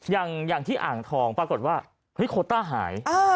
อย่างที่อ่างทองปรากฏว่าเฮ้ยโคต้าหาย